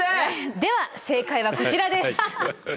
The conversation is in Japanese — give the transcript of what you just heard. では正解はこちらです。